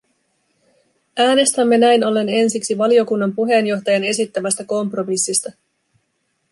Äänestämme näin ollen ensiksi valiokunnan puheenjohtajan esittämästä kompromissista.